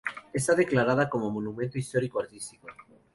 Está declarada como monumento histórico artístico.